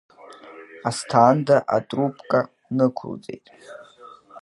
Асҭанда атрубка нықәылҵеит.